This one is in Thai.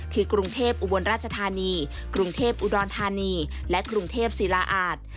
คือกรุงเทพอุบลราชธานีกรุงเทพอุดรธานีและกรุงเทพศิลาอาจ